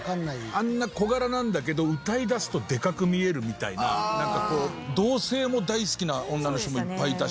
あんな小柄なんだけど歌いだすとでかく見えるみたいななんかこう同性も大好きな女の人もいっぱいいたし。